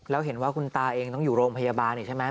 แล้วเห็นว่าคุณตาเองต้องอยู่โรงพยาบาลอีกใช่ไหม